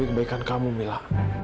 demi kebaikan kamu mila